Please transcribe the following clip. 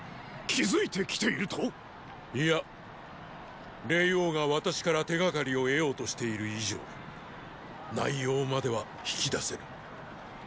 気付いてきていると⁉いや霊凰が私から手がかりを得ようとしている以上内容までは引き出せぬ。